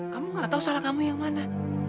kamu gak tahu salah kamu yang mana